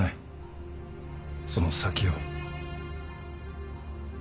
その先を。